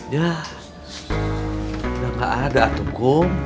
yah udah gak ada tuh kum